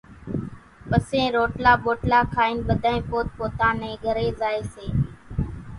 پسي روٽلا ٻوٽلا کائين ٻڌانئين پوت پوتا نين گھرين زائيَ سي۔